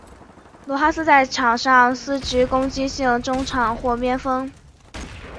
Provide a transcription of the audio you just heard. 罗哈斯在场上司职攻击型中场或边锋。